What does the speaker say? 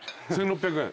１，６００円。